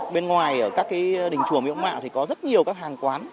bên ngoài ở các cái đỉnh chùa miễn mạng thì có rất nhiều các hàng quán